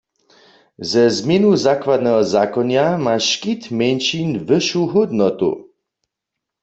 Ze změnu zakładneho zakonja ma škit mjeńšin wyšu hódnotu.